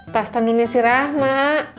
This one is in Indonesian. tas tandunya sirah mak